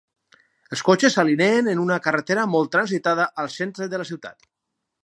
Els cotxes s'alineen en una carretera molt transitada al centre de la ciutat.